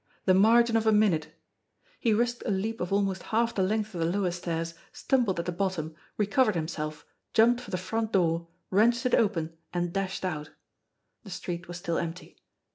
The margin of a minute! He risked a leap of almost half the length of the lower stairs, stumbled at the bottom, recovered himself, jumped for the front door, wrenched it open and dashed out. The street was still empty.